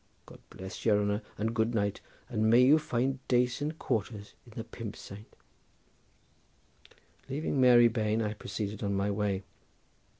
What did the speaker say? God bless your honour and good night! and may you find dacent quarters in the 'Pump Saint.'" Leaving Mary Bane I proceeded on my way.